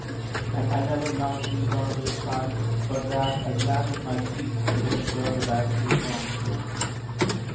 And I never now see one of those signs but that I glance at my feet to make sure that I have shoes on.